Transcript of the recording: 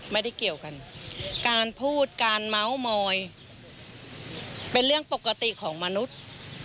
ไม่ได้เกี่ยวกันการพูดการเม้ามอยเป็นเรื่องปกติของมนุษย์